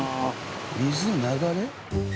水の流れ？